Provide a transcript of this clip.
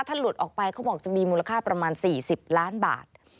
ถ้าหลุดออกไปเขาบอกจะมีมูลค่าประมาณ๔๐ล้านบาท